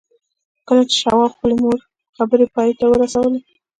کله چې شواب خپلې خبرې پای ته ورسولې.